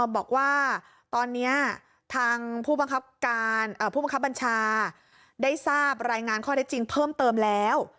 บอกว่าตอนนี้ทางผู้บังคับการผู้บังคับบัญชาได้ทราบรายงานข้อได้จริงเพิ่มเติมแล้ว